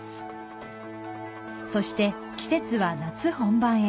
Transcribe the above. そして、季節は夏本番へ。